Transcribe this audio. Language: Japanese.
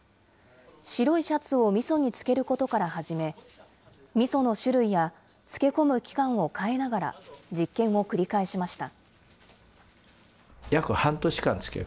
白いシャツをみそに漬けることから始め、みその種類や漬け込む期間を変えながら、実験を繰り返しました。